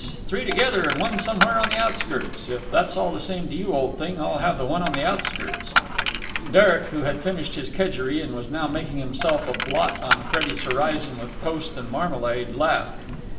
Three together and one somewhere on the outskirts. If it's all the same to you, old thing, I'll have the one on the outskirts." Derek, who had finished his kedgeree and was now making himself a blot on Freddie's horizon with toast and marmalade, laughed.